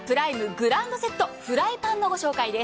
グランドセット、フライパンのご紹介です。